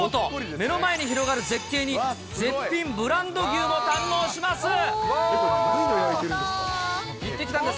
目の前に広がる絶景に、絶品ブランド牛も堪能します。